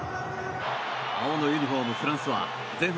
青のユニホーム、フランスは前半